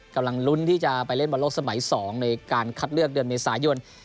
กำลังลุ้นที่จะไปเล่นบอลโลกสมัย๒ในการคัดเลือกเดือนเมษายน